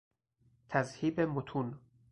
تذهیب متون